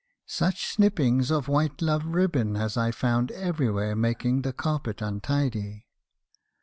"Such snippings of white love ribbon as I found everywhere, making the carpet untidy!